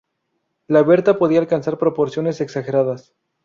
La berta podía alcanzar proporciones exageradas.